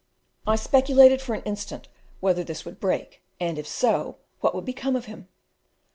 I speculated for an instant whether this would break; and, if so, what would become of him.